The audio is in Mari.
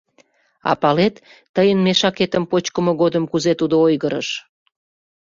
— А палет, тыйын мешакетым почкымо годым кузе тудо ойгырыш!